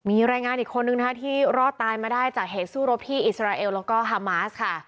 มีรายงานอีกคนนึงนะคะที่รอดตายมาได้จากเหตุสู้รบที่อิสราเอลแล้วก็ฮามาสค่ะ